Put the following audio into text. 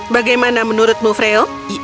bagaimana menurutmu freyo